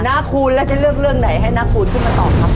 คูณแล้วจะเลือกเรื่องไหนให้น้าคูณขึ้นมาตอบครับ